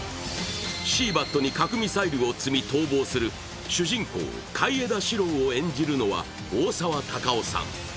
「シーバット」に核・ミサイルと積み逃亡する主人公・海江田四郎を演じるのは大沢たかおさん。